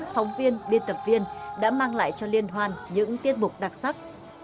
phóng viên biên tập viên đã mang lại cho liên hoan những tiết mục đặc sắc